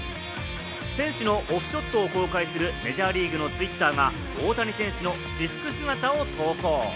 選手のオフショットを公開するメジャーリーグのツイッターが、大谷選手の私服姿を投稿。